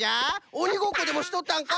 おにごっこでもしとったんか？